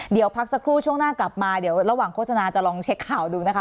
เดี๋ยวพักสักครู่ช่วงหน้ากลับมาเดี๋ยวระหว่างโฆษณาจะลองเช็คข่าวดูนะคะ